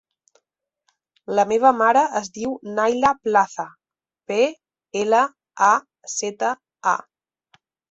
La meva mare es diu Nayla Plaza: pe, ela, a, zeta, a.